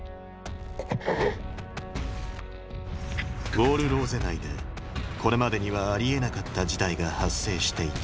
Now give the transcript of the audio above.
ウォール・ローゼ内でこれまでにはありえなかった事態が発生していた